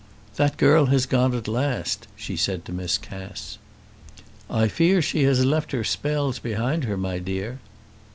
"That girl has gone at last," she said to Miss Cass. "I fear she has left her spells behind her, my dear."